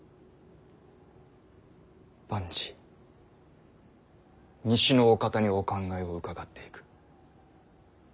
万事西のお方にお考えを伺っていく。